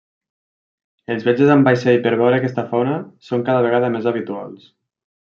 Els viatges en vaixell per veure aquesta fauna són cada vegada més habituals.